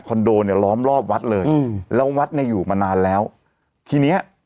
โดเนี่ยล้อมรอบวัดเลยอืมแล้ววัดเนี่ยอยู่มานานแล้วทีเนี้ย